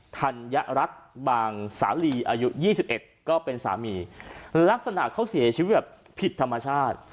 ทันยะรักบางสาลีอายุยี่สิบเอ็ดก็เป็นสามีลักษณะเขาเสียชีวิตแบบผิดธรรมชาติ